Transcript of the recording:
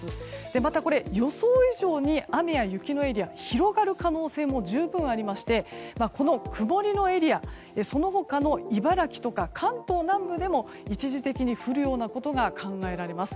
また予想以上に雨や雪のエリアが広がる可能性も十分ありまして曇りのエリアその他の茨城とか関東南部でも一時的に降るようなことが考えられます。